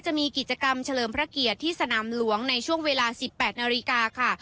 จะมีกิจกรรมเฉลิมพระเกียรติที่สนามหลวงในช่วงเวลา๑๘นาฬิกาค่ะ